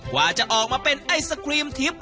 ว่าจะออกมาเป็นไอศครีมทิพย์